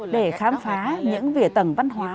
để khám phá những vỉa tầng văn hóa